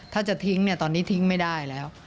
ถ้าจะทิ้งเนี่ยตอนนี้ทิ้งไม่ได้แล้ว